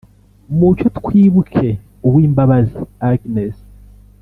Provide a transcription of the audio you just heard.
mucyo twibuke uwimbabazi agnes